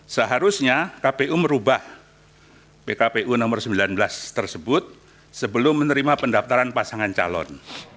seharusnya kpu merubah pkpu nomor sembilan belas tersebut sebelum menerima pendaftaran pasangan calon